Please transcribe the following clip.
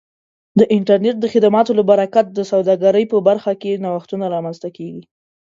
د انټرنیټ د خدماتو له برکت د سوداګرۍ په برخه کې نوښتونه رامنځته کیږي.